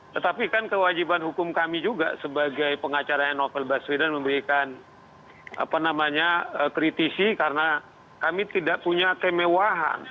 tetapi kan kewajiban hukum kami juga sebagai pengacaranya novel baswedan memberikan kritisi karena kami tidak punya kemewahan